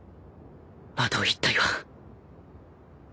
あと１体は